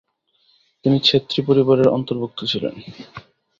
তিনি ছেত্রি পরিবারের অন্তর্ভুক্ত ছিলেন।